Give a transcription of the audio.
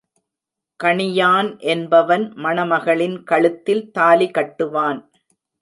கணியான் என்பவன் மணமகளின் கழுத்தில் தாலி கட்டுவான்.